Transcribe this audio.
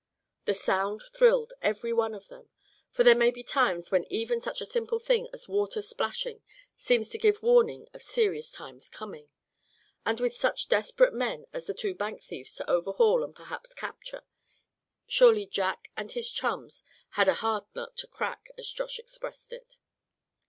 The sound thrilled every one of them; for there may be times when even such a simple thing as water splashing seems to give warning of serious times coming. And with such desperate men as the two bank thieves to overhaul and perhaps capture, surely Jack and his chums had a "a hard nut to crack," as Josh expressed it.